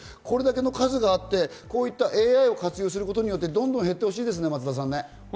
これだけの数があって、こういったＡＩを活用することによって、どんどん減ってほしいですね。